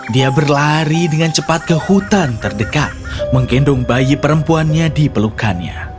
dia berlari dengan cepat ke hutan terdekat menggendong bayi perempuannya di pelukannya